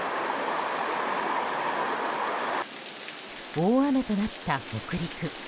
大雨となった北陸。